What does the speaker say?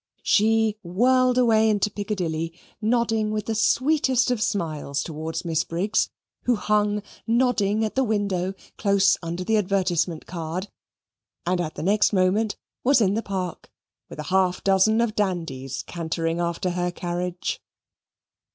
She whirled away into Piccadilly, nodding with the sweetest of smiles towards Miss Briggs, who hung nodding at the window close under the advertisement card, and at the next moment was in the park with a half dozen of dandies cantering after her carriage.